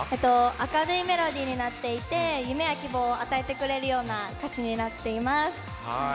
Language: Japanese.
明るいメロディーになっていて夢や希望を与えてくれるような歌詞になっています。